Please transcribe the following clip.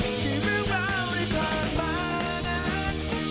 ที่ไม่ว่าวได้ผ่านมานาน